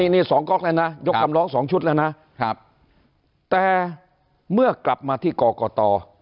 นี่๒ก๊อกแล้วนะยกคำร้อง๒ชุดแล้วนะแต่เมื่อกลับมาที่กรกต